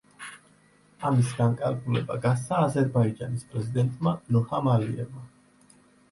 ამის განკარგულება გასცა აზერბაიჯანის პრეზიდენტმა ილჰამ ალიევმა.